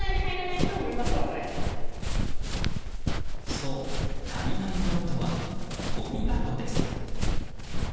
そう、足りないものとはごみ箱です。